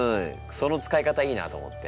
その使い方いいなと思って。